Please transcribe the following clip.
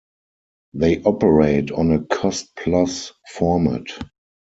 They operate on a cost-plus format.